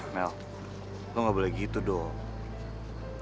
mel lo gak boleh gitu dong